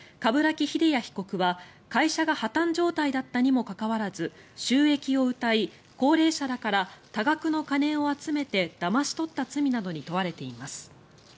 鏑木秀弥被告は会社が破たん状態だったにもかかわらず収益をうたい高齢者らから多額の金を集めてだまし取った罪などに問われています。